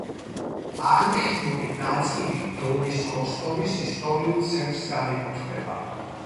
აღნიშნული ნაწილი დონის როსტოვის ისტორიულ ცენტრს განეკუთვნება.